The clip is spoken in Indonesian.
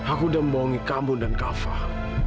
aku udah membohongi kamu dan kak fah